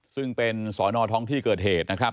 ซึ่งเป็นสอนอท้องที่เกิดเหตุนะครับ